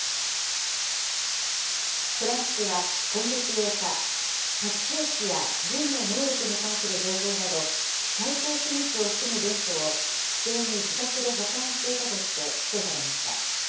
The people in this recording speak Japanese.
トランプ氏は今月８日、核兵器や軍の能力に関する情報など、最高機密を含む文書を不正に自宅で保管していたとして起訴されました。